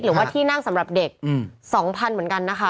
หรือว่าที่นั่งสำหรับเด็ก๒๐๐๐เหมือนกันนะคะ